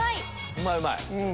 うまいうまい。